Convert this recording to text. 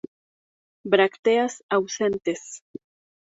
Brácteas ausentes.